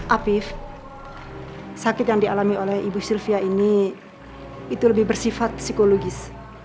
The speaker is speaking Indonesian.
apif sakit yang dialami oleh ibu sylvia ini itu lebih bersifat psikologis